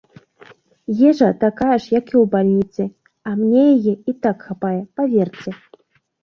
Ежа такая ж, як і ў бальніцы, а мне яе і так хапае, паверце.